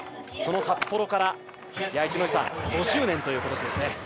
その札幌から一戸さん５０年ということですね。